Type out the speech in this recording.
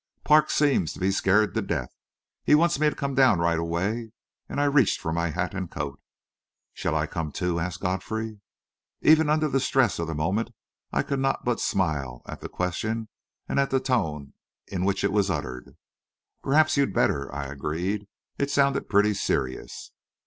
"Parks seems to be scared to death. He wants me to come down right away," and I reached for my hat and coat. "Shall I come, too?" asked Godfrey. Even under the stress of the moment, I could not but smile at the question and at the tone in which it was uttered. "Perhaps you'd better," I agreed. "It sounded pretty serious."